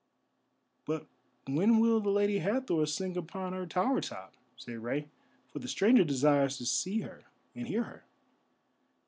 "But when will the Lady Hathor sing upon her tower top?" said Rei, "for the Stranger desires to see her and hear her."